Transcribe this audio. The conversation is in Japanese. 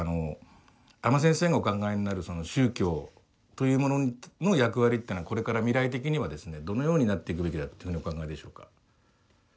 阿満先生のお考えになる宗教というものの役割っていうのはこれから未来的にはですねどのようになっていくべきだというふうにお考えでしょうか。